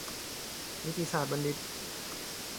นิติศาสตร์บัณฑิต